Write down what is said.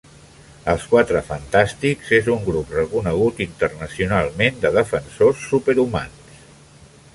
Els Quatre Fantàstics és un grup reconegut internacionalment de defensor super-humans.